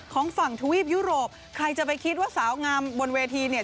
ของฝั่งทวีปยุโรปใครจะไปคิดว่าสาวงามบนเวทีเนี่ย